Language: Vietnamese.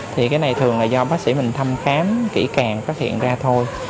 thì cái này thường là do bác sĩ mình thăm khám kỹ càng phát hiện ra thôi